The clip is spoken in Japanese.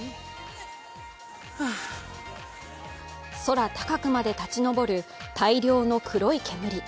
空高くまで立ち上る大量の黒い煙。